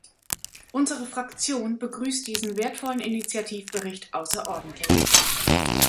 Unsere Fraktion begrüßt diesen wertvollen Initiativbericht außerordentlich.